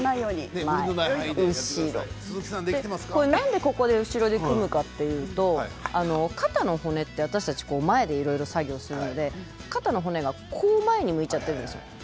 なんで後ろで組むかというと肩の骨は私たちは前でいろいろ作業をしているので肩の骨が前に出てしまっているんです。